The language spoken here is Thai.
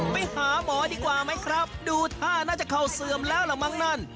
ไปหาหมอดีกว่าไหมครับดูท่าน่าจะเข้าเสื่อมแล้วล่ะมั้งนั่น